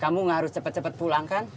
kamu gak harus cepet cepet pulang kan